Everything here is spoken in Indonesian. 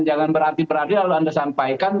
jangan berarti berarti lalu anda sampaikan